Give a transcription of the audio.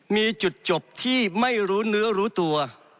มีจุดจบที่ไม่รู้เนื้อรู้ตัว